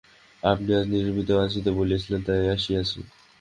আপনি আজ নিরিবিলিতে আসিতে বলিয়াছিলেন, তাই আসিয়াছি।